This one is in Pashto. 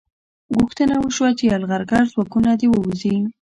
غوښتنه وشوه چې یرغلګر ځواکونه دې ووځي.